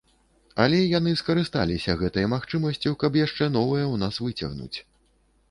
Але яны скарысталіся гэтай магчымасцю, каб яшчэ новае ў нас выцягнуць.